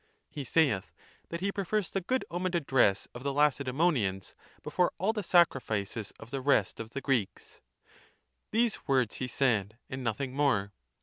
He saith, that he prefers the good omened address of the La cedeemonians before all the sacrifices of (the rest of)" the Greeks.—These words he said, and nothing more.